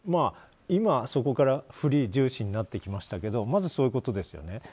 今はそこからフリー重視になってきましたがまず、そういうことですよね。